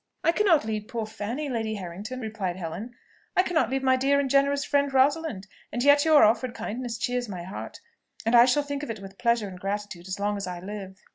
"I cannot leave poor Fanny, Lady Harrington," replied Helen; "I cannot leave my dear and generous friend Rosalind: and yet your offered kindness cheers my heart, and I shall think of it with pleasure and gratitude as long as I live."